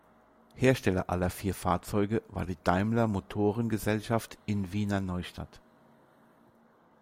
Hersteller aller vier Fahrzeuge war die Daimler-Motoren-Gesellschaft in Wiener Neustadt.